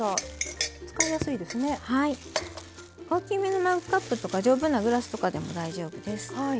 大きめのマグカップとか丈夫なグラスとかでも大丈夫です。